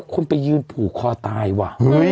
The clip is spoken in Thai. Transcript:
คนไปยืนผูกคอตายว่ะ